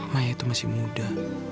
saya masih muda